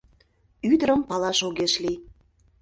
Ӱдырым палаш огеш лий.